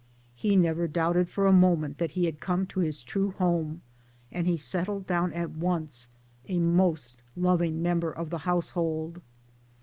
He never doubted for a moment that he had come to his true home, and he settled down at once, a most loving member of the household.